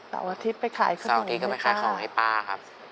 เสาร์วาทิตย์ไปขายขนมไหมคะเสาร์วาทิตย์ก็ไปขายของให้ป๊าครับ